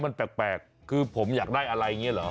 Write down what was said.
มันแปลกคือผมอยากได้อะไรอย่างนี้เหรอ